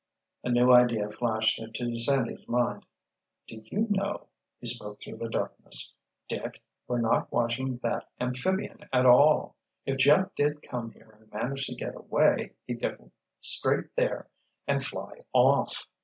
A new idea flashed into Sandy's mind. "Do you know," he spoke through the darkness. "Dick, we're not watching that amphibian at all! If Jeff did come here and managed to get away, he'd go straight there and fly off."